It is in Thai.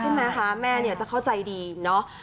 ใช่ไหมคะแม่เนี่ยจะเข้าใจดีเนาะ